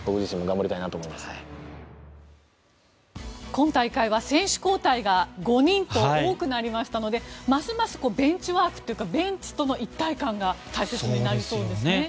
今大会は選手交代が５人と多くなりましたのでますますベンチワークというかベンチとの一体感が大切になりそうですね。